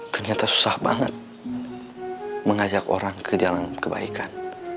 ternyata susah banget mengajak orang ke jalan kebaikan